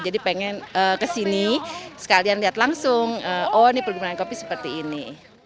jadi pengen ke sini sekalian lihat langsung oh ini pergumulan kopi seperti ini